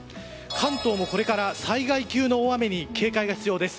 関東もこれから災害級の大雨に警戒が必要です。